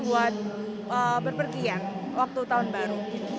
buat berpergian waktu tahun baru